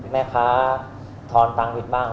แม่ค้าทอนตังค์ผิดบ้าง